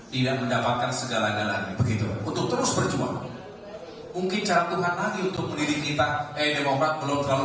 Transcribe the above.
tidak mendapatkan kemampuan untuk menang